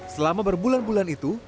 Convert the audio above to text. selama berbulan bulan itu